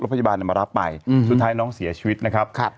พยาบาลมารับไปสุดท้ายน้องเสียชีวิตนะครับ